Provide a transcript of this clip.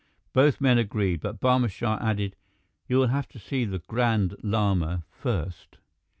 Both men agreed, but Barma Shah added, "You will have to see the Grand Lama first."